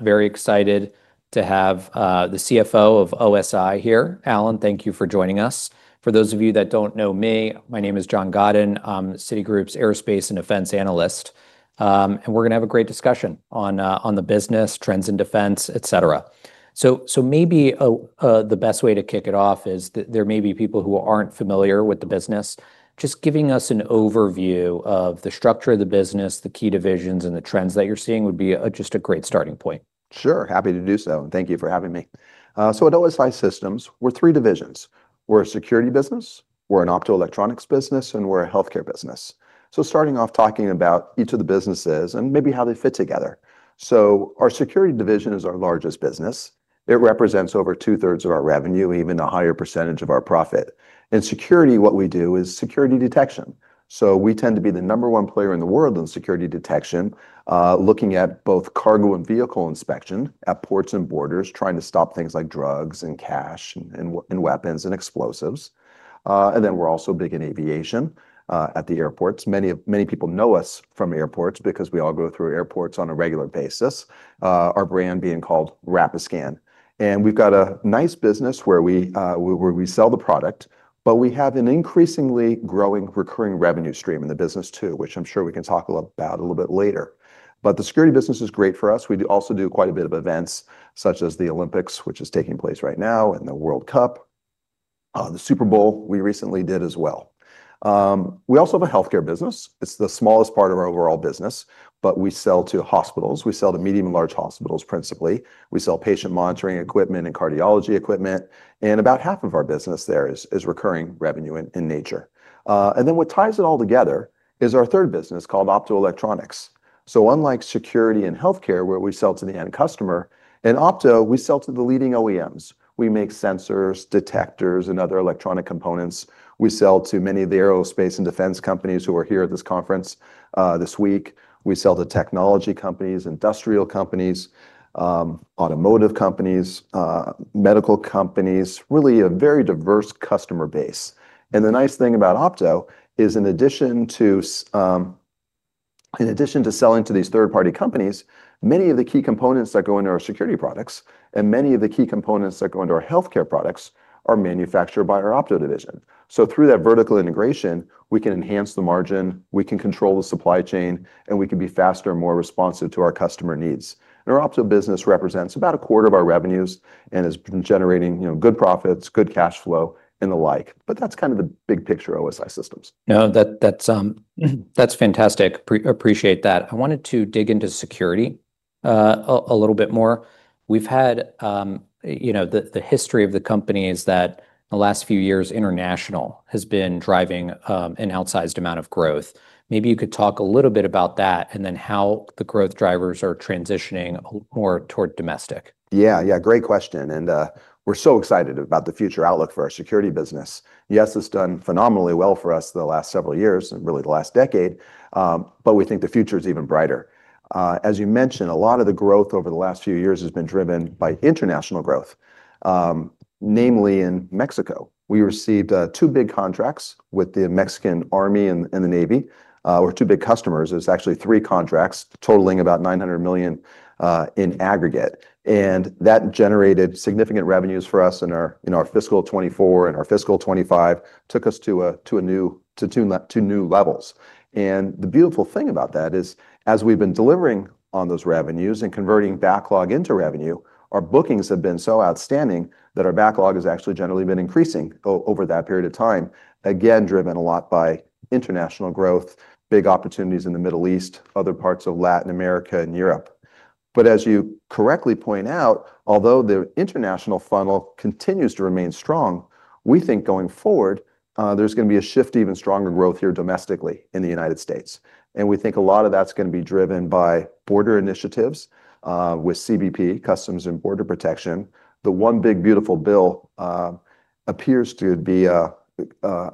Very excited to have the CFO of OSI here. Alan, thank you for joining us. For those of you that don't know me, my name is John Godyn, Citigroup's Aerospace and Defense analyst. We're gonna have a great discussion on the business, trends in defense, et cetera. The best way to kick it off is there may be people who aren't familiar with the business. Just giving us an overview of the structure of the business, the key divisions, and the trends that you're seeing would be just a great starting point. Sure, happy to do so, and thank you for having me. So at OSI Systems, we're three divisions. We're a security business, we're an optoelectronics business, and we're a healthcare business. So starting off talking about each of the businesses and maybe how they fit together. So our security division is our largest business. It represents over two-thirds of our revenue, even a higher percentage of our profit. In security, what we do is security detection, so we tend to be the number one player in the world in security detection, looking at both cargo and vehicle inspection at ports and borders, trying to stop things like drugs and cash and weapons and explosives. And then we're also big in aviation at the airports. Many people know us from airports because we all go through airports on a regular basis, our brand being called Rapiscan. And we've got a nice business where we sell the product, but we have an increasingly growing recurring revenue stream in the business, too, which I'm sure we can talk about a little bit later. But the security business is great for us. We also do quite a bit of events, such as the Olympics, which is taking place right now, and the World Cup, the Super Bowl we recently did as well. We also have a healthcare business. It's the smallest part of our overall business, but we sell to hospitals. We sell to medium and large hospitals, principally. We sell patient monitoring equipment and cardiology equipment, and about half of our business there is recurring revenue in nature. And then what ties it all together is our third business, called Optoelectronics. So unlike security and healthcare, where we sell to the end customer, in Opto, we sell to the leading OEMs. We make sensors, detectors, and other electronic components. We sell to many of the aerospace and defense companies who are here at this conference, this week. We sell to technology companies, industrial companies, automotive companies, medical companies, really a very diverse customer base. The nice thing about Opto is, in addition to selling to these third-party companies, many of the key components that go into our security products and many of the key components that go into our healthcare products are manufactured by our Opto division. Through that vertical integration, we can enhance the margin, we can control the supply chain, and we can be faster and more responsive to our customer needs. Our Opto business represents about a quarter of our revenues and has been generating, you know, good profits, good cash flow, and the like. That's kind of the big picture of OSI Systems. No, that's fantastic. Appreciate that. I wanted to dig into security a little bit more. We've had, you know, the history of the company is that the last few years, International has been driving an outsized amount of growth. Maybe you could talk a little bit about that, and then how the growth drivers are transitioning a little more toward domestic. Yeah, yeah, great question, and we're so excited about the future outlook for our security business. Yes, it's done phenomenally well for us the last several years and really the last decade, but we think the future is even brighter. As you mentioned, a lot of the growth over the last few years has been driven by international growth, namely in Mexico. We received two big contracts with the Mexican Army and the Navy, or two big customers. It's actually three contracts totaling about $900 million in aggregate, and that generated significant revenues for us in our fiscal 2024 and our fiscal 2025. Took us to new levels. The beautiful thing about that is, as we've been delivering on those revenues and converting backlog into revenue, our bookings have been so outstanding that our backlog has actually generally been increasing over that period of time. Again, driven a lot by international growth, big opportunities in the Middle East, other parts of Latin America and Europe. But as you correctly point out, although the international funnel continues to remain strong, we think going forward, there's gonna be a shift to even stronger growth here domestically in the United States. And we think a lot of that's gonna be driven by border initiatives with CBP, Customs and Border Protection. The One Big Beautiful Bill appears to be a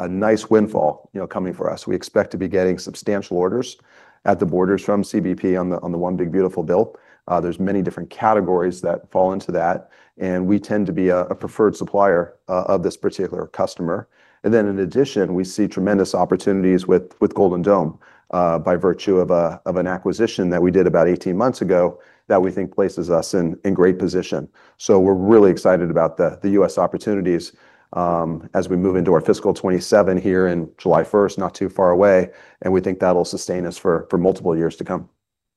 nice windfall, you know, coming for us. We expect to be getting substantial orders at the borders from CBP on the one big beautiful bill. There's many different categories that fall into that, and we tend to be a preferred supplier of this particular customer. Then in addition, we see tremendous opportunities with Golden Dome, by virtue of an acquisition that we did about 18 months ago that we think places us in great position. So we're really excited about the U.S. opportunities, as we move into our fiscal 2027 here in July 1st, not too far away, and we think that'll sustain us for multiple years to come.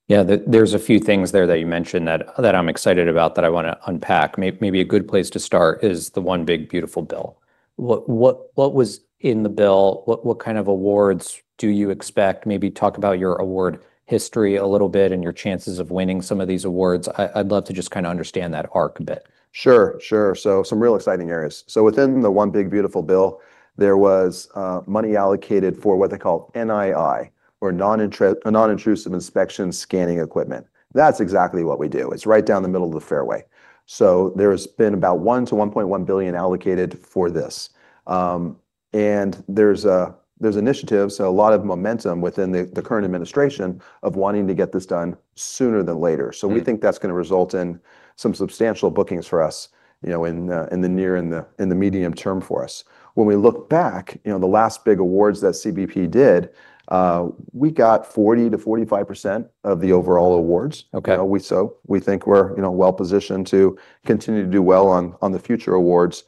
Yeah, there's a few things there that you mentioned that I'm excited about, that I wanna unpack. Maybe a good place to start is the One Big Beautiful Bill. What was in the bill? What kind of awards do you expect? Maybe talk about your award history a little bit and your chances of winning some of these awards. I'd love to just kind of understand that arc a bit. Sure, sure. So some real exciting areas. So within the One Big Beautiful Bill, there was money allocated for what they call NII, or Non-Intrusive Inspection scanning equipment. That's exactly what we do. It's right down the middle of the fairway. So there's been about $1 to 1.1 billion allocated for this, and there's initiatives, so a lot of momentum within the current administration of wanting to get this done sooner than later. Mm. So we think that's gonna result in some substantial bookings for us, you know, in the near and medium term for us. When we look back, you know, the last big awards that CBP did, we got 40% to 45% of the overall awards. Okay. So we think we're, you know, well-positioned to continue to do well on the future awards,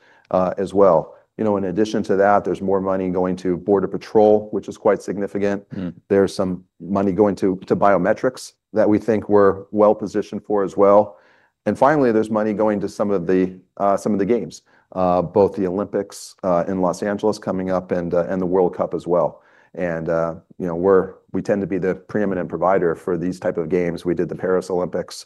as well. You know, in addition to that, there's more money going to Border Patrol, which is quite significant. Mm. There's some money going to biometrics that we think we're well-positioned for as well. And finally, there's money going to some of the games, both the Olympics in Los Angeles coming up and the World Cup as well. And, you know, we tend to be the pre-eminent provider for these type of games. We did the Paris Olympics,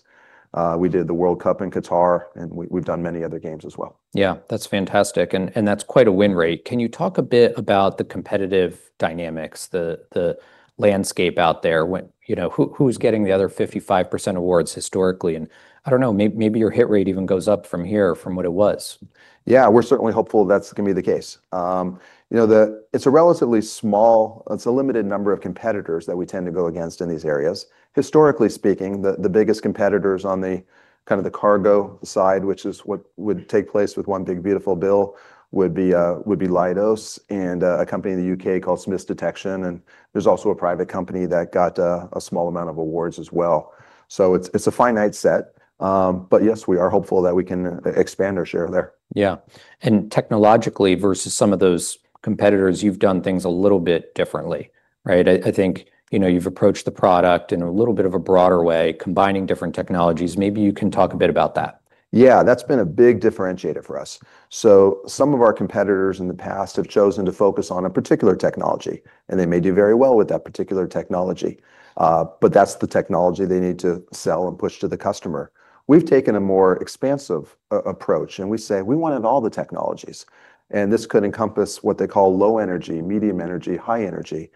we did the World Cup in Qatar, and we've done many other games as well. Yeah, that's fantastic, and, and that's quite a win rate. Can you talk a bit about the competitive dynamics, the, the landscape out there? When... You know, who, who's getting the other 55% awards historically? And I don't know, maybe your hit rate even goes up from here from what it was. Yeah, we're certainly hopeful that's gonna be the case. You know, it's a limited number of competitors that we tend to go against in these areas. Historically speaking, the biggest competitors on the kind of the cargo side, which is what would take place with One Big Beautiful Bill, would be Leidos and a company in the U.K. called Smiths Detection, and there's also a private company that got a small amount of awards as well. So it's a finite set, but yes, we are hopeful that we can expand our share there. Yeah. And technologically versus some of those competitors, you've done things a little bit differently, right? I think, you know, you've approached the product in a little bit of a broader way, combining different technologies. Maybe you can talk a bit about that. Yeah, that's been a big differentiator for us. So some of our competitors in the past have chosen to focus on a particular technology, and they may do very well with that particular technology, but that's the technology they need to sell and push to the customer. We've taken a more expansive approach, and we say: "We wanted all the technologies." And this could encompass what they call low energy, medium energy, high energy.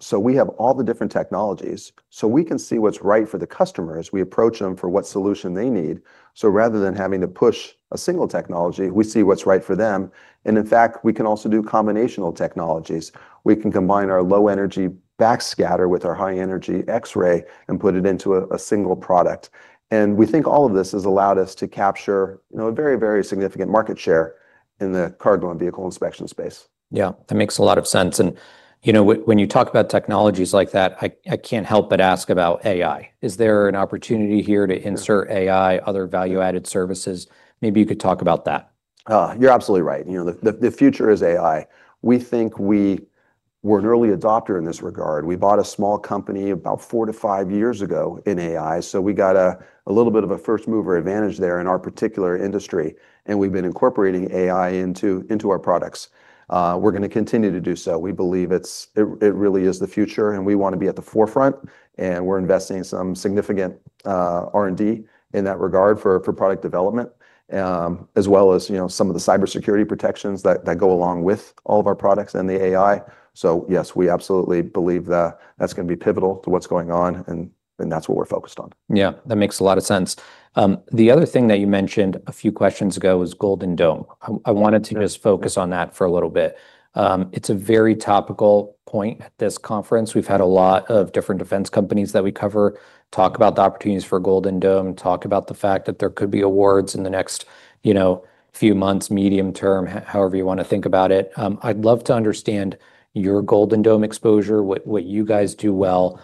So we have all the different technologies, so we can see what's right for the customers. We approach them for what solution they need. So rather than having to push a single technology, we see what's right for them, and in fact, we can also do combinational technologies. We can combine our low energy backscatter with our high energy X-ray and put it into a single product. We think all of this has allowed us to capture, you know, a very, very significant market share in the cargo and vehicle inspection space. Yeah, that makes a lot of sense. And, you know, when you talk about technologies like that, I can't help but ask about AI. Is there an opportunity here to insert- Sure... AI, other value-added services? Maybe you could talk about that. You're absolutely right. You know, the future is AI. We think we were an early adopter in this regard. We bought a small company about 4 to 5 years ago in AI, so we got a little bit of a first-mover advantage there in our particular industry, and we've been incorporating AI into our products. We're gonna continue to do so. We believe it really is the future, and we want to be at the forefront, and we're investing some significant R&D in that regard for product development, as well as, you know, some of the cybersecurity protections that go along with all of our products and the AI. So yes, we absolutely believe that that's gonna be pivotal to what's going on, and that's what we're focused on. Yeah, that makes a lot of sense. The other thing that you mentioned a few questions ago was Golden Dome. Yes. I wanted to just focus on that for a little bit. It's a very topical point at this conference. We've had a lot of different defense companies that we cover talk about the opportunities for Golden Dome, talk about the fact that there could be awards in the next, you know, few months, medium term, however you want to think about it. I'd love to understand your Golden Dome exposure, what you guys do well,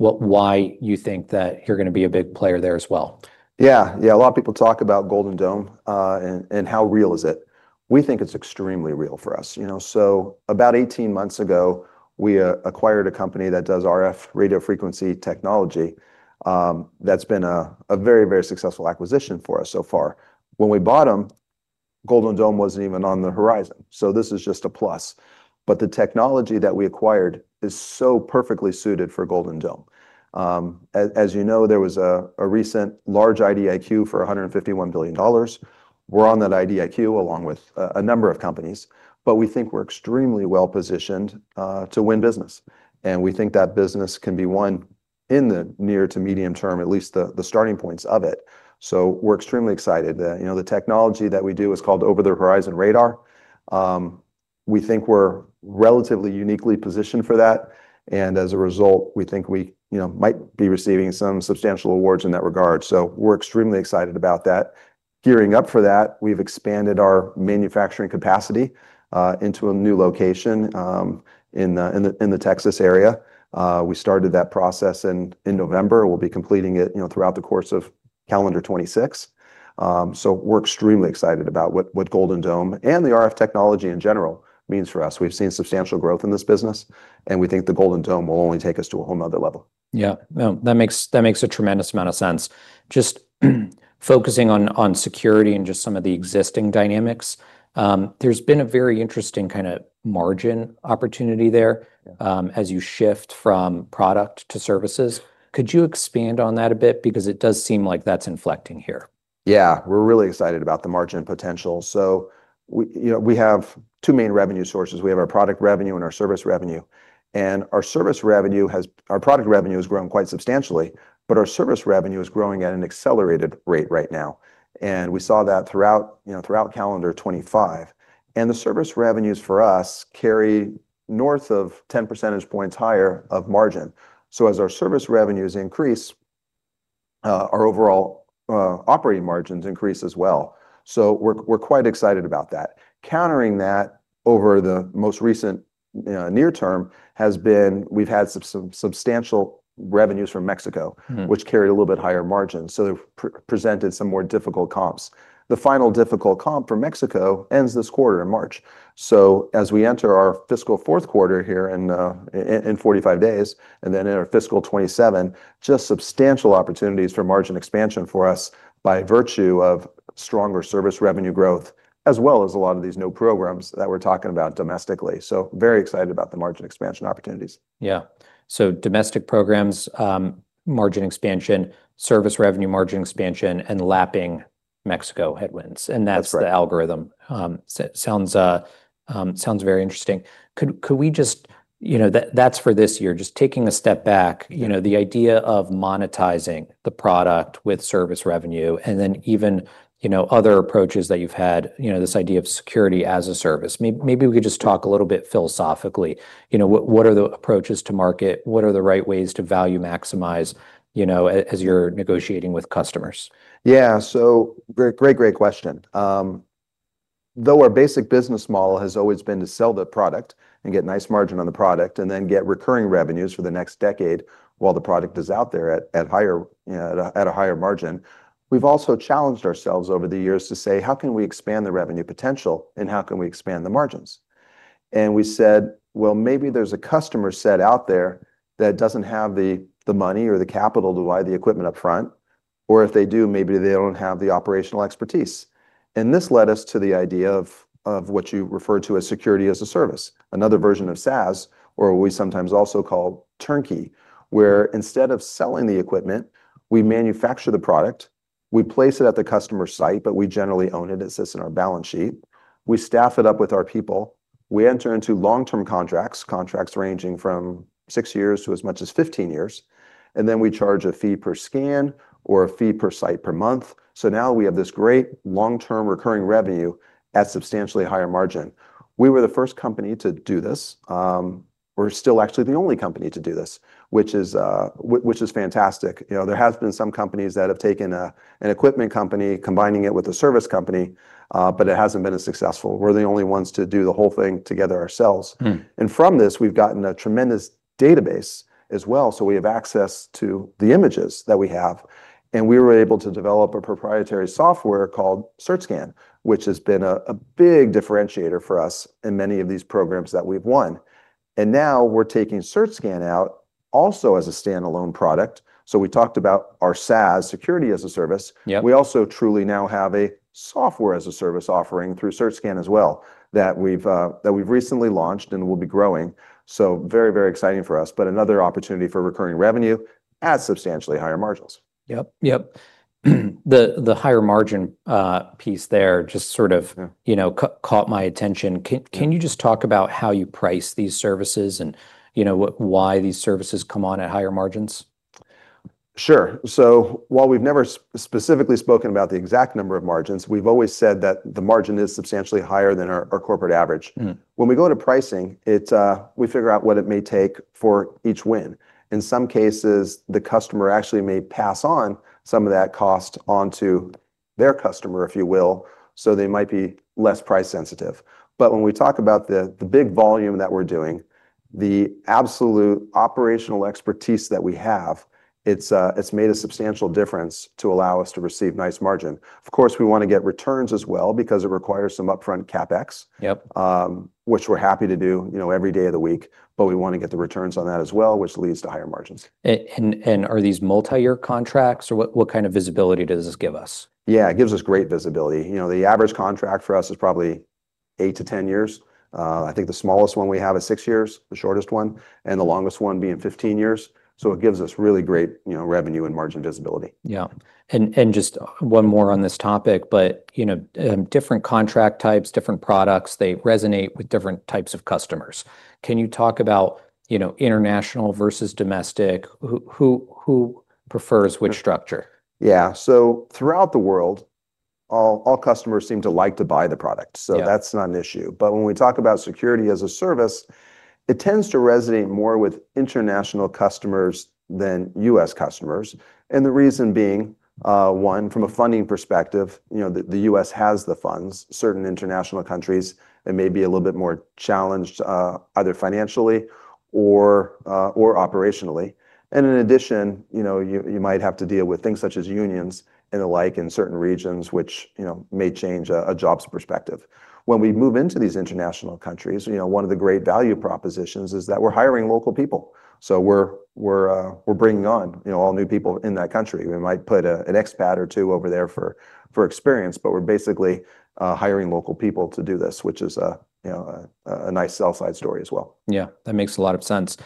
and why you think that you're gonna be a big player there as well? Yeah. Yeah, a lot of people talk about Golden Dome, and how real is it? We think it's extremely real for us. You know, so about 18 months ago, we acquired a company that does RF, radio frequency, technology. That's been a very, very successful acquisition for us so far. When we bought them, Golden Dome wasn't even on the horizon, so this is just a plus. But the technology that we acquired is so perfectly suited for Golden Dome. As you know, there was a recent large IDIQ for $151 billion. We're on that IDIQ, along with a number of companies, but we think we're extremely well-positioned to win business, and we think that business can be won in the near to medium term, at least the starting points of it. So we're extremely excited. You know, the technology that we do is called Over-the-Horizon Radar. We think we're relatively uniquely positioned for that, and as a result, we think we, you know, might be receiving some substantial awards in that regard, so we're extremely excited about that. Gearing up for that, we've expanded our manufacturing capacity into a new location in the Texas area. We started that process in November. We'll be completing it, you know, throughout the course of calendar 2026. So we're extremely excited about what Golden Dome and the RF technology in general means for us. We've seen substantial growth in this business, and we think the Golden Dome will only take us to a whole another level. Yeah. Well, that makes a tremendous amount of sense. Just focusing on security and just some of the existing dynamics, there's been a very interesting kind of margin opportunity there- Yeah... as you shift from product to services. Could you expand on that a bit? Because it does seem like that's inflecting here.... Yeah, we're really excited about the margin potential. So we, you know, we have two main revenue sources. We have our product revenue and our service revenue, and our service revenue has - our product revenue has grown quite substantially, but our service revenue is growing at an accelerated rate right now, and we saw that throughout, you know, throughout calendar 2025. And the service revenues for us carry north of 10 percentage points higher of margin. So as our service revenues increase, our overall operating margins increase as well. So we're, we're quite excited about that. Countering that over the most recent near term has been - we've had substantial revenues from Mexico - Mm. - which carry a little bit higher margin, so they've presented some more difficult comps. The final difficult comp for Mexico ends this quarter in March. So as we enter our fiscal Q4 here in 45 days, and then in our fiscal 2027, just substantial opportunities for margin expansion for us by virtue of stronger service revenue growth, as well as a lot of these new programs that we're talking about domestically. So very excited about the margin expansion opportunities. Yeah. So domestic programs, margin expansion, service revenue margin expansion, and lapping Mexico headwinds- That's right. And that's the algorithm. Sounds very interesting. Could we just... You know, that, that's for this year. Just taking a step back- Mm. You know, the idea of monetizing the product with service revenue, and then even, you know, other approaches that you've had, you know, this idea of security as a service. Maybe we could just talk a little bit philosophically, you know, what are the approaches to market? What are the right ways to value maximize, you know, as you're negotiating with customers? Yeah. So great, great, great question. Though our basic business model has always been to sell the product and get nice margin on the product, and then get recurring revenues for the next decade while the product is out there at higher, you know, at a higher margin, we've also challenged ourselves over the years to say: How can we expand the revenue potential, and how can we expand the margins? And we said, "Well, maybe there's a customer set out there that doesn't have the money or the capital to buy the equipment upfront, or if they do, maybe they don't have the operational expertise." And this led us to the idea of what you referred to as security as a service, another version of SaaS, or we sometimes also call turnkey, where instead of selling the equipment, we manufacture the product, we place it at the customer site, but we generally own it. It sits in our balance sheet. We staff it up with our people. We enter into long-term contracts, contracts ranging from 6 years to as much as 15 years, and then we charge a fee per scan or a fee per site per month. So now we have this great long-term recurring revenue at substantially higher margin. We were the first company to do this. We're still actually the only company to do this, which is fantastic. You know, there has been some companies that have taken an equipment company, combining it with a service company, but it hasn't been as successful. We're the only ones to do the whole thing together ourselves. Mm. From this, we've gotten a tremendous database as well, so we have access to the images that we have, and we were able to develop a proprietary software called CertScan, which has been a, a big differentiator for us in many of these programs that we've won. Now we're taking CertScan out also as a standalone product. We talked about our SaaS, security as a service. Yeah. We also truly now have a software-as-a-service offering through CertScan as well, that we've recently launched and will be growing, so very, very exciting for us, but another opportunity for recurring revenue at substantially higher margins. Yep, yep. The higher margin piece there just sort of- Yeah... you know, caught my attention. Yeah. Can you just talk about how you price these services and, you know, why these services come on at higher margins? Sure. So while we've never specifically spoken about the exact number of margins, we've always said that the margin is substantially higher than our, our corporate average. Mm. When we go into pricing, it, we figure out what it may take for each win. In some cases, the customer actually may pass on some of that cost onto their customer, if you will, so they might be less price-sensitive. But when we talk about the big volume that we're doing, the absolute operational expertise that we have, it's made a substantial difference to allow us to receive nice margin. Of course, we wanna get returns as well because it requires some upfront CapEx. Yep... which we're happy to do, you know, every day of the week, but we wanna get the returns on that as well, which leads to higher margins. Are these multi-year contracts, or what kind of visibility does this give us? Yeah, it gives us great visibility. You know, the average contract for us is probably 8 to 10 years. I think the smallest one we have is 6 years, the shortest one, and the longest one being 15 years. So it gives us really great, you know, revenue and margin visibility. Yeah. And just one more on this topic, but you know, different contract types, different products, they resonate with different types of customers. Can you talk about, you know, international versus domestic? Who prefers which structure? Yeah. So throughout the world, all customers seem to like to buy the product- Yeah... so that's not an issue. But when we talk about security as a service, it tends to resonate more with international customers than U.S. customers, and the reason being, one, from a funding perspective, you know, the U.S. has the funds. Certain international countries, they may be a little bit more challenged, either financially or operationally. And in addition, you know, you might have to deal with things such as unions and the like in certain regions, which, you know, may change a jobs perspective. When we move into these international countries, you know, one of the great value propositions is that we're hiring local people, so we're bringing on, you know, all new people in that country. We might put an expat or two over there for experience, but we're basically hiring local people to do this, which is, you know, a nice sell-side story as well. Yeah, that makes a lot of sense.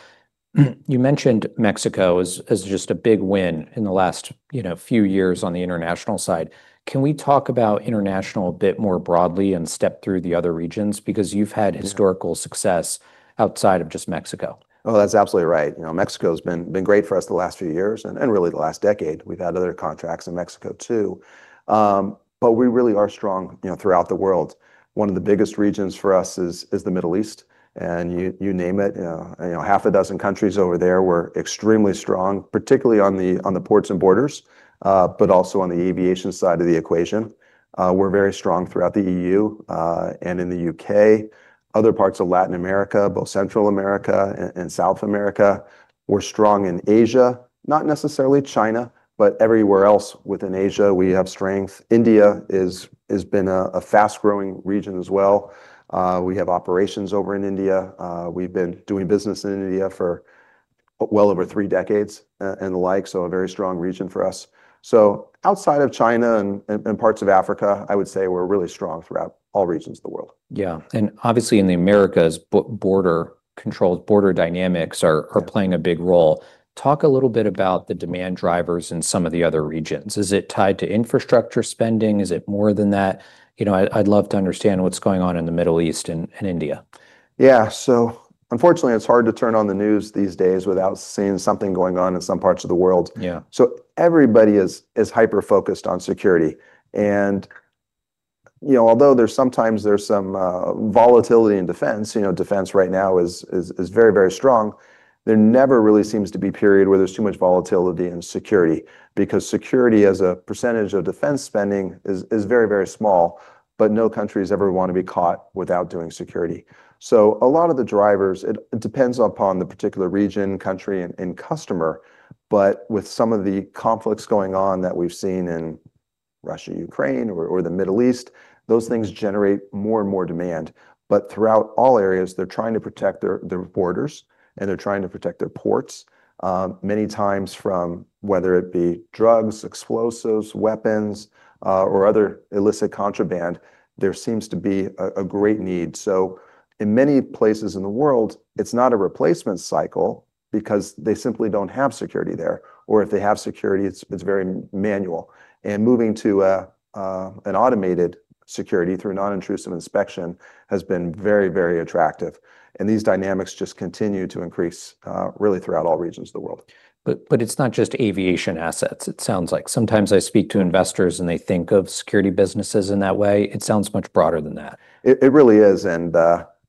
You mentioned Mexico as just a big win in the last, you know, few years on the international side. Can we talk about international a bit more broadly and step through the other regions? Because you've had- Yeah... historical success outside of just Mexico. Oh, that's absolutely right. You know, Mexico's been great for us the last few years and really the last decade. We've had other contracts in Mexico, too. But we really are strong, you know, throughout the world. One of the biggest regions for us is the Middle East, and you name it, you know, half a dozen countries over there we're extremely strong, particularly on the ports and borders, but also on the aviation side of the equation. We're very strong throughout the EU and in the U.K., other parts of Latin America, both Central America and South America. We're strong in Asia, not necessarily China, but everywhere else within Asia, we have strength. India has been a fast-growing region as well. We have operations over in India. We've been doing business in India for well over three decades and the like, so a very strong region for us. So outside of China and parts of Africa, I would say we're really strong throughout all regions of the world. Yeah, and obviously in the Americas, border, controlled border dynamics are- Yeah... are playing a big role. Talk a little bit about the demand drivers in some of the other regions. Is it tied to infrastructure spending? Is it more than that? You know, I'd, I'd love to understand what's going on in the Middle East and, and India. Yeah, so unfortunately, it's hard to turn on the news these days without seeing something going on in some parts of the world. Yeah. So everybody is hyper-focused on security. And, you know, although there's sometimes some volatility in defense, you know, defense right now is very, very strong. There never really seems to be a period where there's too much volatility in security, because security as a percentage of defense spending is very, very small, but no countries ever want to be caught without doing security. So a lot of the drivers, it depends upon the particular region, country, and customer, but with some of the conflicts going on that we've seen in Russia, Ukraine, or the Middle East, those things generate more and more demand. But throughout all areas, they're trying to protect their borders, and they're trying to protect their ports, many times from whether it be drugs, explosives, weapons, or other illicit contraband, there seems to be a great need. So in many places in the world, it's not a replacement cycle because they simply don't have security there, or if they have security, it's very manual. And moving to an automated security through non-intrusive inspection has been very attractive, and these dynamics just continue to increase really throughout all regions of the world. But it's not just aviation assets, it sounds like. Sometimes I speak to investors, and they think of security businesses in that way. It sounds much broader than that. It really is, and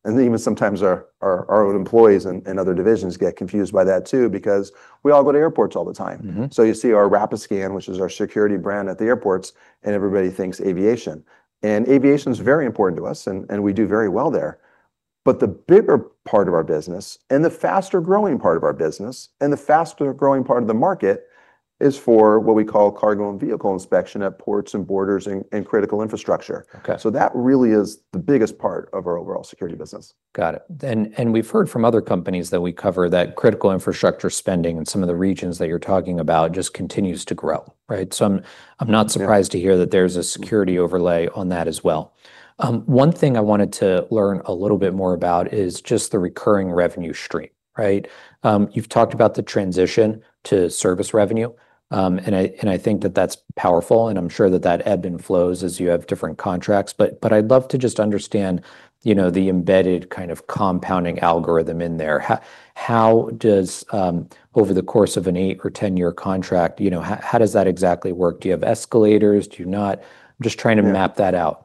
even sometimes our own employees in other divisions get confused by that, too, because we all go to airports all the time. Mm-hmm. So you see our Rapiscan, which is our security brand, at the airports, and everybody thinks aviation. Aviation's very important to us, and we do very well there. But the bigger part of our business, and the faster-growing part of our business, and the faster-growing part of the market, is for what we call cargo and vehicle inspection at ports and borders, and critical infrastructure. Okay. That really is the biggest part of our overall security business. Got it. And we've heard from other companies that we cover that critical infrastructure spending in some of the regions that you're talking about just continues to grow, right? So I'm not surprised- Yeah... to hear that there's a security overlay on that as well. One thing I wanted to learn a little bit more about is just the recurring revenue stream, right? You've talked about the transition to service revenue, and I think that's powerful, and I'm sure that ebbs and flows as you have different contracts, but I'd love to just understand, you know, the embedded kind of compounding algorithm in there. How does over the course of an eight or 7 to 10 year contract, you know, how does that exactly work? Do you have escalators? Do you not? Yeah. I'm just trying to map that out.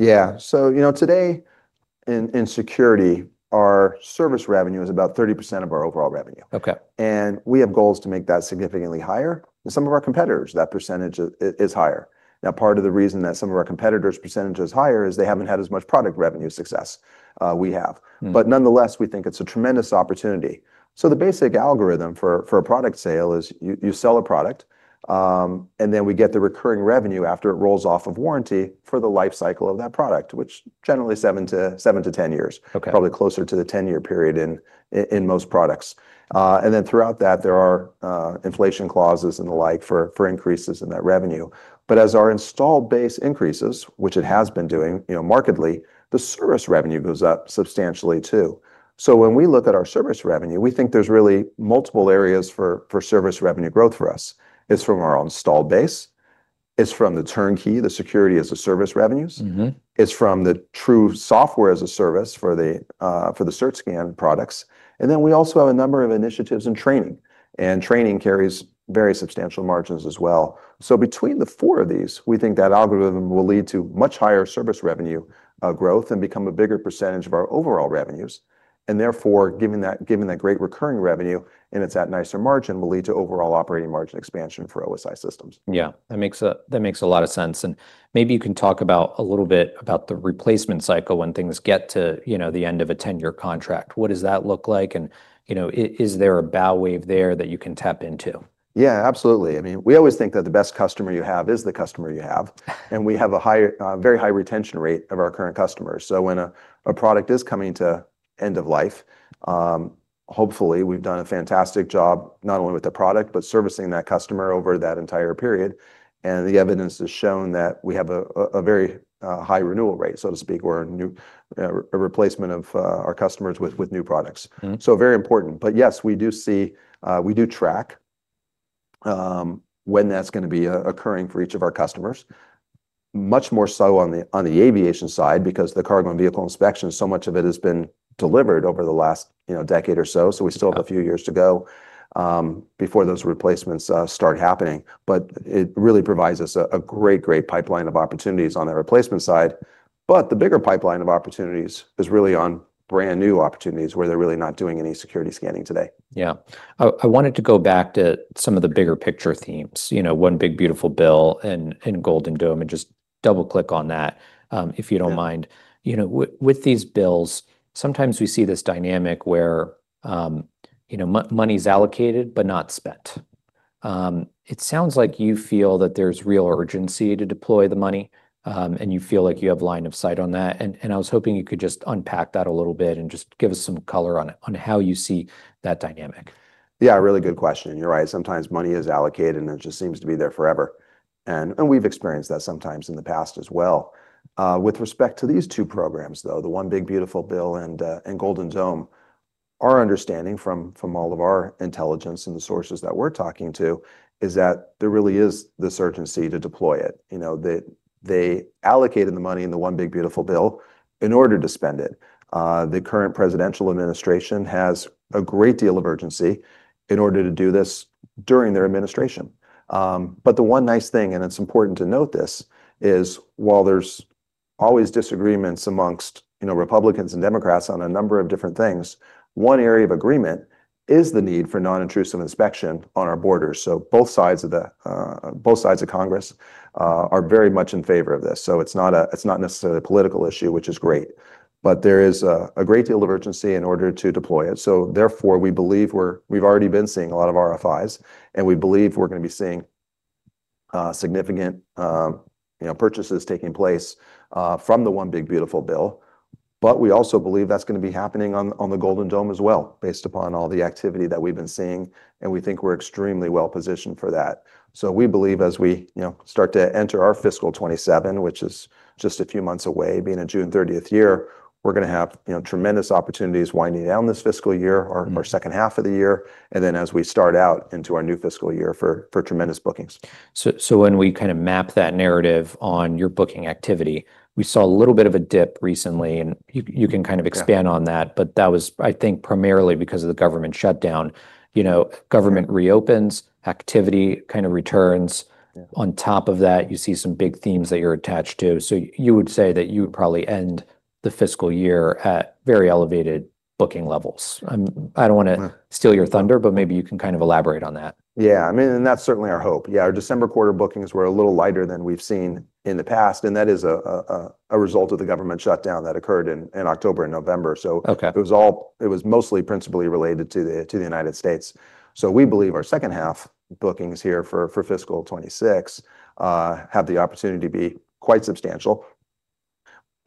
Yeah. So, you know, today in security, our service revenue is about 30% of our overall revenue. Okay. We have goals to make that significantly higher. With some of our competitors, that percentage is higher. Now, part of the reason that some of our competitors' percentage is higher is they haven't had as much product revenue success we have. Mm. But nonetheless, we think it's a tremendous opportunity. So the basic algorithm for a product sale is you sell a product, and then we get the recurring revenue after it rolls off of warranty for the life cycle of that product, which generally 7 to 10 years- Okay... probably closer to the 10-year period in most products. And then throughout that, there are inflation clauses and the like for increases in that revenue. But as our install base increases, which it has been doing, you know, markedly, the service revenue goes up substantially, too. So when we look at our service revenue, we think there's really multiple areas for service revenue growth for us. It's from our install base, it's from the turnkey, the security-as-a-service revenues- Mm-hmm... it's from the true software as a service for the CertScan products, and then we also have a number of initiatives in training, and training carries very substantial margins as well. So between the four of these, we think that algorithm will lead to much higher service revenue growth and become a bigger percentage of our overall revenues, and therefore, given that great recurring revenue, and it's at nicer margin, will lead to overall operating margin expansion for OSI Systems. Yeah, that makes a lot of sense. And maybe you can talk about a little bit about the replacement cycle when things get to, you know, the end of a 10-year contract. What does that look like, and, you know, is there a bow wave there that you can tap into? Yeah, absolutely. I mean, we always think that the best customer you have is the customer you have. And we have a very high retention rate of our current customers. So when a product is coming to end of life, hopefully we've done a fantastic job, not only with the product, but servicing that customer over that entire period. And the evidence has shown that we have a very high renewal rate, so to speak, or a new replacement of our customers with new products. Mm. Very important. But yes, we do see, we do track when that's gonna be occurring for each of our customers. Much more so on the aviation side, because the cargo and vehicle inspection, so much of it has been delivered over the last, you know, decade or so. So we still have a few years to go before those replacements start happening. But it really provides us a great, great pipeline of opportunities on the replacement side. But the bigger pipeline of opportunities is really on brand-new opportunities, where they're really not doing any security scanning today. Yeah. I wanted to go back to some of the bigger picture themes, you know, One Big Beautiful Bill and Golden Dome, and just double-click on that, if you don't mind. Yeah. You know, with these bills, sometimes we see this dynamic where, you know, money's allocated but not spent. It sounds like you feel that there's real urgency to deploy the money, and you feel like you have line of sight on that. And, I was hoping you could just unpack that a little bit and just give us some color on it, on how you see that dynamic. Yeah, really good question. You're right, sometimes money is allocated, and it just seems to be there forever. And we've experienced that sometimes in the past as well. With respect to these two programs, though, the One Big Beautiful Bill and Golden Dome, our understanding from all of our intelligence and the sources that we're talking to, is that there really is this urgency to deploy it. You know, they allocated the money in the One Big Beautiful Bill in order to spend it. The current presidential administration has a great deal of urgency in order to do this during their administration. But the one nice thing, and it's important to note this, is while there's always disagreements amongst, you know, Republicans and Democrats on a number of different things, one area of agreement is the need for non-intrusive inspection on our borders. So both sides of Congress are very much in favor of this. So it's not necessarily a political issue, which is great, but there is a great deal of urgency in order to deploy it. So therefore, we believe we've already been seeing a lot of RFIs, and we believe we're gonna be seeing significant, you know, purchases taking place from the One Big Beautiful Bill. But we also believe that's gonna be happening on the Golden Dome as well, based upon all the activity that we've been seeing, and we think we're extremely well-positioned for that. So we believe as we, you know, start to enter our fiscal 2027, which is just a few months away, being a June 30th year, we're gonna have, you know, tremendous opportunities winding down this fiscal year- Mm ...or our second half of the year, and then as we start out into our new fiscal year for tremendous bookings. So, when we kind of map that narrative on your booking activity, we saw a little bit of a dip recently, and you can kind of expand on that. Yeah. But that was, I think, primarily because of the government shutdown. You know- Yeah... government reopens, activity kind of returns. Yeah. On top of that, you see some big themes that you're attached to. So you would say that you would probably end the fiscal year at very elevated booking levels. I don't wanna- Yeah... steal your thunder, but maybe you can kind of elaborate on that. Yeah, I mean, and that's certainly our hope. Yeah, our December quarter bookings were a little lighter than we've seen in the past, and that is a result of the government shutdown that occurred in October and November. So- Okay... it was mostly principally related to the United States. So we believe our second half bookings here for fiscal 2026 have the opportunity to be quite substantial,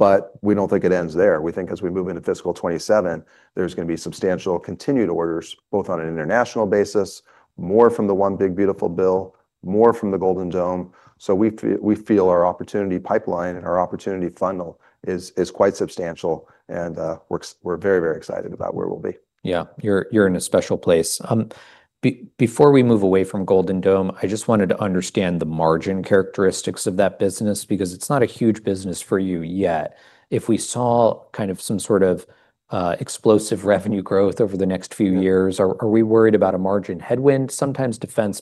but we don't think it ends there. We think as we move into fiscal 2027, there's gonna be substantial continued orders, both on an international basis, more from the One Big Beautiful Bill, more from the Golden Dome. So we feel our opportunity pipeline and our opportunity funnel is quite substantial, and we're very, very excited about where we'll be. Yeah. You're, you're in a special place. Before we move away from Golden Dome, I just wanted to understand the margin characteristics of that business, because it's not a huge business for you yet. If we saw kind of some sort of explosive revenue growth over the next few years- Yeah... are we worried about a margin headwind? Sometimes defense,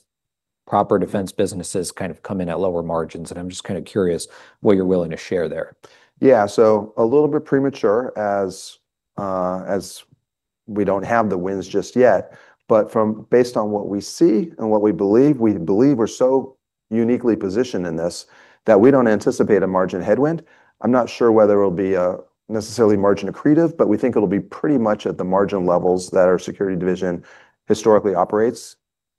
proper defense businesses kind of come in at lower margins, and I'm just kind of curious what you're willing to share there. Yeah, so a little bit premature, as we don't have the wins just yet, but based on what we see and what we believe, we believe we're so uniquely positioned in this, that we don't anticipate a margin headwind. I'm not sure whether it'll be necessarily margin accretive, but we think it'll be pretty much at the margin levels that our Security division historically operates,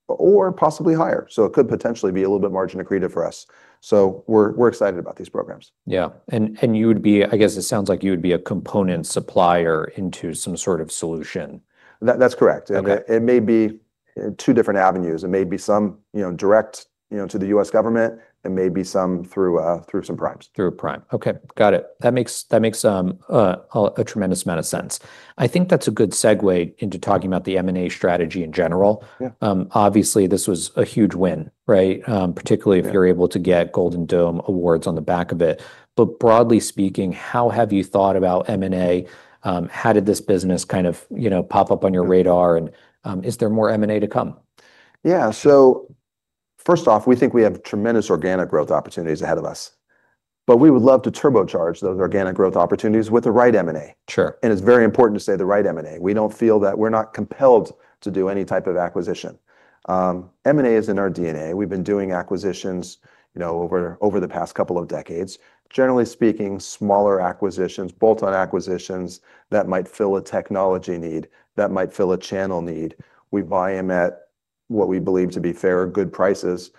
or possibly higher. So it could potentially be a little bit margin accretive for us. So we're excited about these programs. Yeah. And, you would be... I guess it sounds like you would be a component supplier into some sort of solution. That's correct. Okay. It may be two different avenues. It may be some, you know, direct, you know, to the U.S. government, and may be some through some primes. Through a prime. Okay, got it. That makes a tremendous amount of sense. I think that's a good segue into talking about the M&A strategy in general. Yeah. Obviously, this was a huge win, right? Particularly- Yeah... if you're able to get Golden Dome awards on the back of it. But broadly speaking, how have you thought about M&A? How did this business kind of, you know, pop up on your radar? Yeah. Is there more M&A to come? Yeah, so first off, we think we have tremendous organic growth opportunities ahead of us, but we would love to turbocharge those organic growth opportunities with the right M&A. Sure. It's very important to say the right M&A. We don't feel that we're not compelled to do any type of acquisition. M&A is in our DNA. We've been doing acquisitions, you know, over the past couple of decades. Generally speaking, smaller acquisitions, bolt-on acquisitions, that might fill a technology need, that might fill a channel need. We buy them at what we believe to be fair, good prices.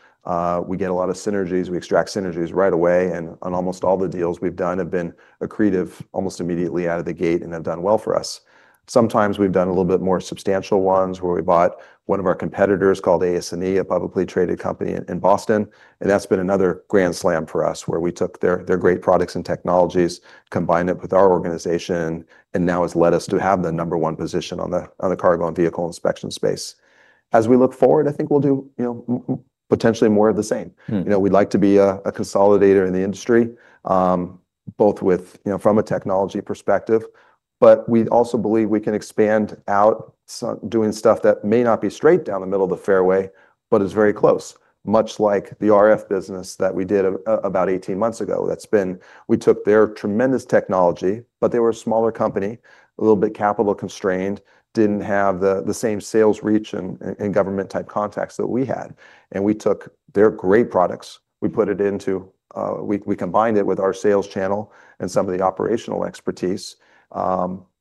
We get a lot of synergies. We extract synergies right away, and on almost all the deals we've done have been accretive, almost immediately out of the gate and have done well for us. Sometimes we've done a little bit more substantial ones, where we bought one of our competitors called AS&E, a publicly traded company in Boston, and that's been another grand slam for us, where we took their great products and technologies, combined it with our organization, and now has led us to have the number one position on the cargo and vehicle inspection space. As we look forward, I think we'll do, you know, potentially more of the same. Mm. You know, we'd like to be a consolidator in the industry. Both with, you know, from a technology perspective, but we also believe we can expand out doing stuff that may not be straight down the middle of the fairway, but is very close, much like the RF business that we did about 18 months ago. That's been we took their tremendous technology, but they were a smaller company, a little bit capital-constrained, didn't have the same sales reach and government-type contacts that we had. And we took their great products, we put it into we combined it with our sales channel and some of the operational expertise,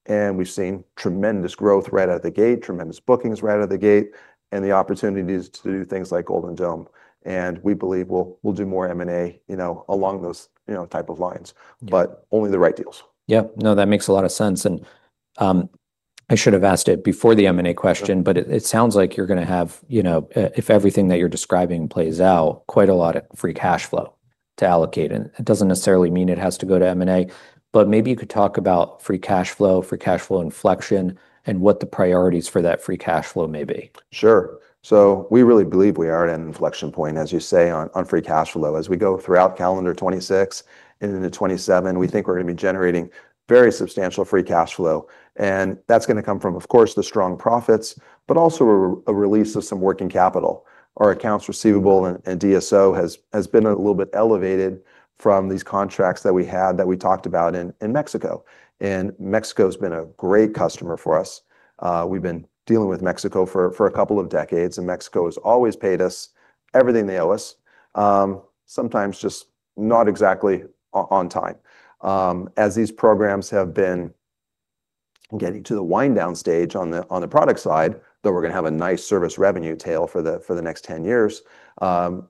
and we've seen tremendous growth right out of the gate, tremendous bookings right out of the gate, and the opportunities to do things like Golden Dome. We believe we'll do more M&A, you know, along those, you know, type of lines, but only the right deals. Yeah. No, that makes a lot of sense, and, I should have asked it before the M&A question- Sure. But it sounds like you're gonna have, you know, if everything that you're describing plays out, quite a lot of free cash flow to allocate. And it doesn't necessarily mean it has to go to M&A, but maybe you could talk about free cash flow, free cash flow inflection, and what the priorities for that free cash flow may be. Sure. So we really believe we are at an inflection point, as you say, on free cash flow. As we go throughout calendar 2026 and into 2027, we think we're gonna be generating very substantial free cash flow, and that's gonna come from, of course, the strong profits, but also a release of some working capital. Our accounts receivable and DSO has been a little bit elevated from these contracts that we had, that we talked about in Mexico. And Mexico's been a great customer for us. We've been dealing with Mexico for a couple of decades, and Mexico has always paid us everything they owe us, sometimes just not exactly on time. As these programs have been getting to the wind-down stage on the product side, though we're gonna have a nice service revenue tail for the next 10 years,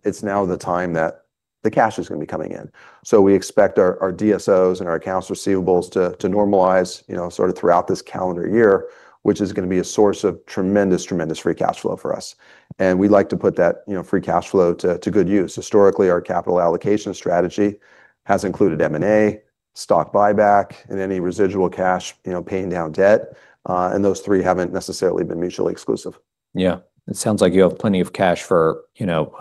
it's now the time that the cash is gonna be coming in. So we expect our DSOs and our accounts receivables to normalize, you know, sort of throughout this calendar year, which is gonna be a source of tremendous, tremendous free cash flow for us. And we'd like to put that, you know, free cash flow to good use. Historically, our capital allocation strategy has included M&A, stock buyback, and any residual cash, you know, paying down debt, and those three haven't necessarily been mutually exclusive. Yeah. It sounds like you have plenty of cash for, you know,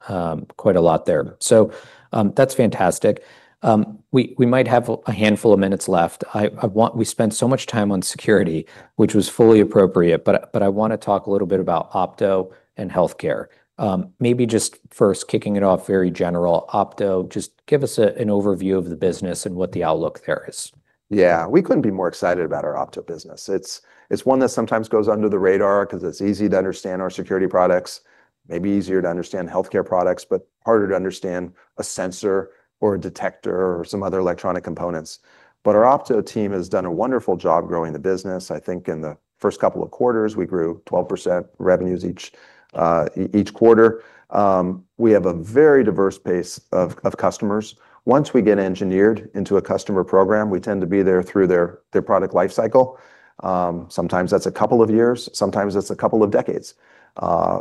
quite a lot there. So, that's fantastic. We might have a handful of minutes left. I want... We spent so much time on security, which was fully appropriate, but I wanna talk a little bit about Opto and healthcare. Maybe just first kicking it off very general, Opto, just give us an overview of the business and what the outlook there is. Yeah, we couldn't be more excited about our Opto business. It's, it's one that sometimes goes under the radar, 'cause it's easy to understand our security products, maybe easier to understand healthcare products, but harder to understand a sensor or a detector or some other electronic components. But our Opto team has done a wonderful job growing the business. I think in the first couple of quarters, we grew 12% revenues each quarter. We have a very diverse base of customers. Once we get engineered into a customer program, we tend to be there through their product life cycle. Sometimes that's a couple of years, sometimes it's a couple of decades,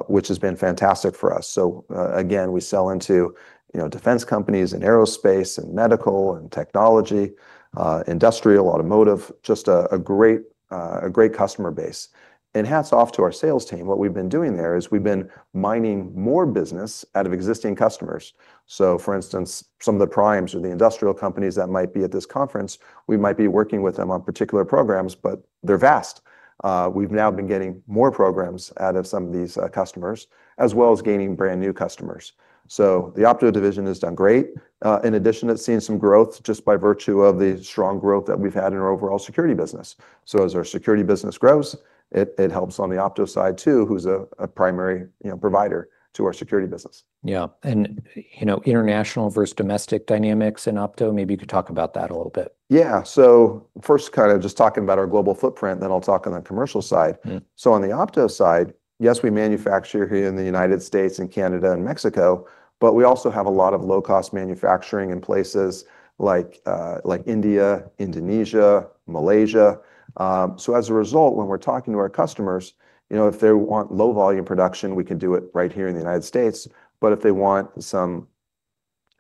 which has been fantastic for us. So, again, we sell into, you know, defense companies and aerospace and medical and technology, industrial, automotive, just a great customer base. And hats off to our sales team. What we've been doing there is we've been mining more business out of existing customers. So, for instance, some of the primes or the industrial companies that might be at this conference, we might be working with them on particular programs, but they're vast. We've now been getting more programs out of some of these customers, as well as gaining brand-new customers. So the Opto division has done great. In addition, it's seen some growth just by virtue of the strong growth that we've had in our overall security business. So as our security business grows, it helps on the Opto side, too, who's a primary, you know, provider to our security business. Yeah. And, you know, international versus domestic dynamics in Opto, maybe you could talk about that a little bit. Yeah. So first, kind of just talking about our global footprint, then I'll talk on the commercial side. Mm. So on the Opto side, yes, we manufacture here in the United States and Canada and Mexico, but we also have a lot of low-cost manufacturing in places like, like India, Indonesia, Malaysia. So as a result, when we're talking to our customers, you know, if they want low-volume production, we can do it right here in the United States, but if they want some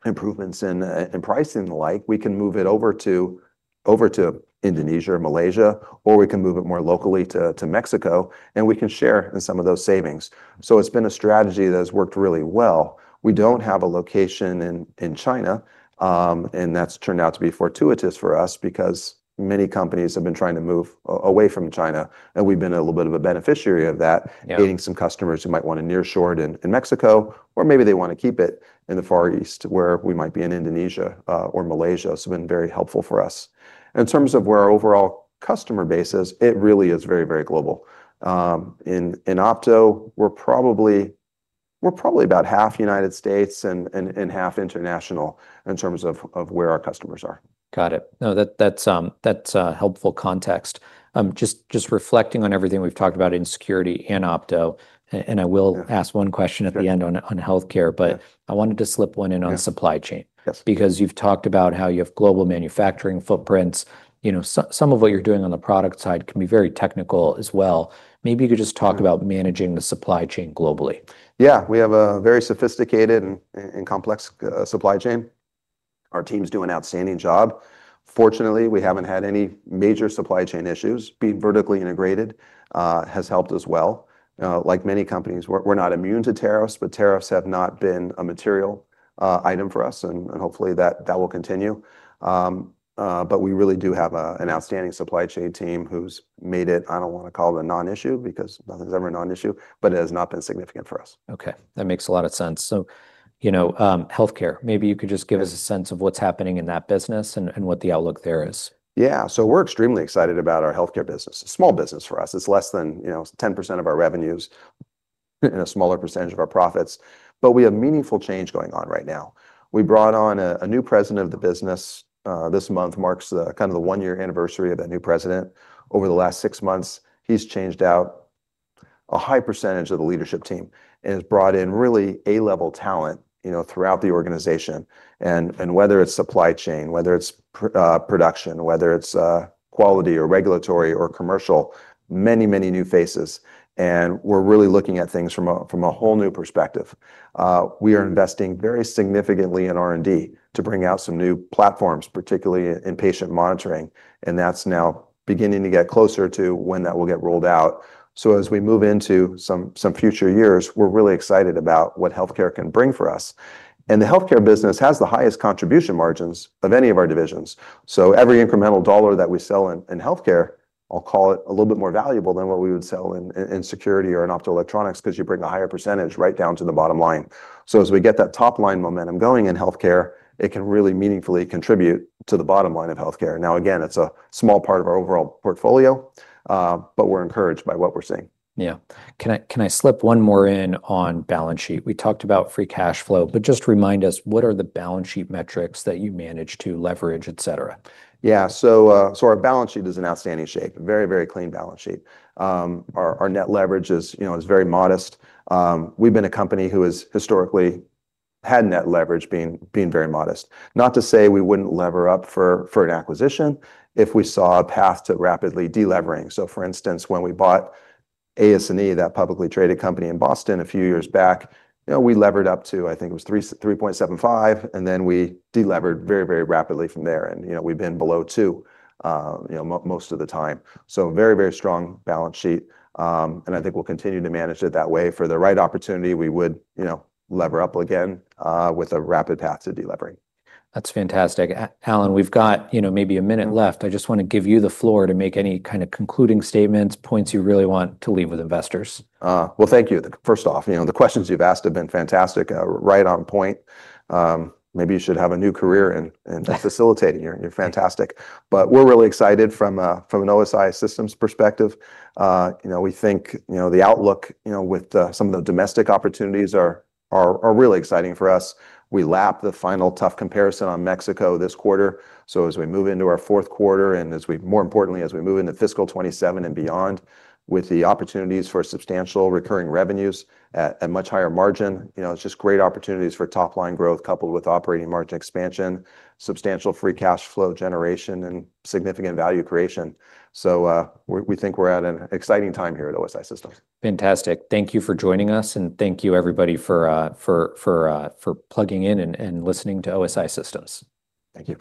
improvements in, in price and the like, we can move it over to, over to Indonesia or Malaysia, or we can move it more locally to, to Mexico, and we can share in some of those savings. So it's been a strategy that has worked really well. We don't have a location in China, and that's turned out to be fortuitous for us because many companies have been trying to move away from China, and we've been a little bit of a beneficiary of that- Yeah... gaining some customers who might want to near-shore it in Mexico, or maybe they want to keep it in the Far East, where we might be in Indonesia, or Malaysia. So it's been very helpful for us. In terms of where our overall customer base is, it really is very, very global. In Opto, we're probably about half United States and half international in terms of where our customers are. Got it. No, that's a helpful context. Just reflecting on everything we've talked about in security and Opto, and I will- Yeah... ask one question at the end on healthcare. Yeah. But I wanted to slip one in on- Yeah... supply chain. Yes. Because you've talked about how you have global manufacturing footprints. You know, some of what you're doing on the product side can be very technical as well. Maybe you could just talk about managing the supply chain globally. Yeah, we have a very sophisticated and complex supply chain. Our team's doing an outstanding job. Fortunately, we haven't had any major supply chain issues. Being vertically integrated has helped as well. Like many companies, we're not immune to tariffs, but tariffs have not been a material item for us, and hopefully that will continue. But we really do have an outstanding supply chain team who's made it, I don't wanna call it a non-issue, because nothing's ever a non-issue, but it has not been significant for us. Okay, that makes a lot of sense. So, you know, healthcare, maybe you could just give us- Yeah... a sense of what's happening in that business and what the outlook there is. Yeah, so we're extremely excited about our healthcare business. A small business for us. It's less than, you know, 10% of our revenues and a smaller percentage of our profits, but we have meaningful change going on right now. We brought on a, a new president of the business. This month marks the kind of the one-year anniversary of that new president. Over the last six months, he's changed out a high percentage of the leadership team and has brought in really A-level talent, you know, throughout the organization. And, and whether it's supply chain, whether it's production, whether it's quality or regulatory or commercial, many, many new faces, and we're really looking at things from a, from a whole new perspective. We are investing very significantly in R&D to bring out some new platforms, particularly in patient monitoring, and that's now beginning to get closer to when that will get rolled out. So as we move into some future years, we're really excited about what healthcare can bring for us. The healthcare business has the highest contribution margins of any of our divisions, so every incremental dollar that we sell in healthcare, I'll call it a little bit more valuable than what we would sell in security or in optoelectronics, 'cause you bring a higher percentage right down to the bottom line. So as we get that top-line momentum going in healthcare, it can really meaningfully contribute to the bottom line of healthcare. Now, again, it's a small part of our overall portfolio, but we're encouraged by what we're seeing. Yeah. Can I, can I slip one more in on balance sheet? We talked about free cash flow, but just remind us, what are the balance sheet metrics that you manage to leverage, et cetera? Yeah. So our balance sheet is in outstanding shape. Very, very clean balance sheet. Our net leverage is, you know, very modest. We've been a company who has historically had net leverage being very modest. Not to say we wouldn't lever up for an acquisition if we saw a path to rapidly de-levering. So for instance, when we bought AS&E, that publicly traded company in Boston a few years back, you know, we levered up to, I think it was 3.75, and then we de-levered very, very rapidly from there. And, you know, we've been below 2, you know, most of the time. So very, very strong balance sheet. And I think we'll continue to manage it that way. For the right opportunity, we would, you know, lever up again, with a rapid path to de-levering. That's fantastic. Alan, we've got, you know, maybe a minute left. I just wanna give you the floor to make any kind of concluding statements, points you really want to leave with investors. Well, thank you. First off, you know, the questions you've asked have been fantastic, right on point. Maybe you should have a new career in facilitating. You're fantastic. But we're really excited from an OSI Systems perspective. You know, we think, you know, the outlook, you know, with some of the domestic opportunities are really exciting for us. We lapped the final tough comparison on Mexico this quarter, so as we move into our fourth quarter, and more importantly, as we move into fiscal 2027 and beyond, with the opportunities for substantial recurring revenues at much higher margin, you know, it's just great opportunities for top-line growth, coupled with operating margin expansion, substantial free cash flow generation, and significant value creation. So, we think we're at an exciting time here at OSI Systems. Fantastic. Thank you for joining us, and thank you everybody for plugging in and listening to OSI Systems. Thank you.